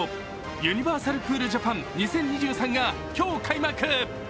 ユニバーサル・クールジャパン２０２３が今日、開幕。